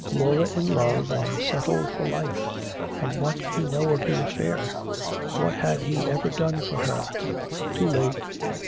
Laura in love and settled for life! And what did he know of the affair? What had he ever done for her? Too late!